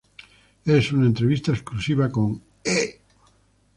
En una entrevista exclusiva con E!